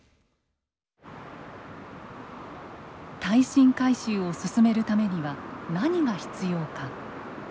耐震改修を進めるためには何が必要か。